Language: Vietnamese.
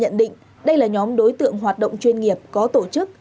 nhận định đây là nhóm đối tượng hoạt động chuyên nghiệp có tổ chức